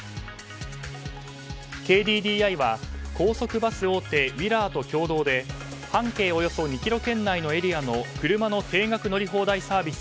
ＫＤＤＩは、高速バス大手ウィラーと共同で半径およそ２ｋｍ圏内のエリアの車の定額乗り放題サービス